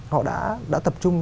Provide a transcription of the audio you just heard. họ đã tập trung